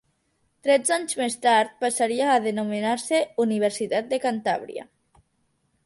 Tretze anys més tard passaria a denominar-se Universitat de Cantàbria.